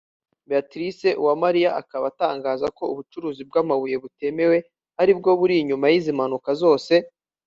Beatrice Uwamariya akaba atangaza ko ubucukuzi bw’amabuye butemewe aribwo buri inyuma y’izi mpanuka zose